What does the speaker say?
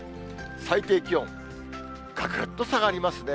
最低気温、がくっと下がりますね。